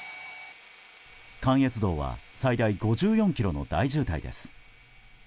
関越道は最大５４ｋｍの大渋滞です。